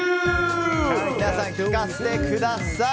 皆さん、聞かせてください。